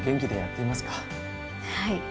はい。